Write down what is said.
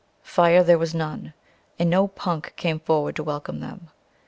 Fire there was none, and no Punk came forward to welcome them.